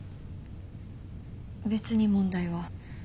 別に問題は。